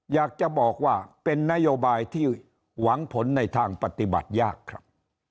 อยากจะบอกว่าเป็นนโยบายที่หวังผลในทางปฏิบัติยากครับ